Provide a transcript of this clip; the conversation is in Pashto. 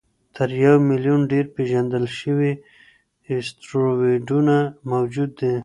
تر یو میلیون ډېر پېژندل شوي اسټروېډونه موجود دي.